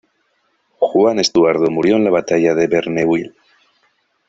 Juan Estuardo murió en la batalla de Verneuil.